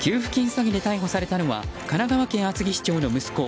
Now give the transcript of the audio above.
詐欺で逮捕されたのは神奈川県厚木市長の息子。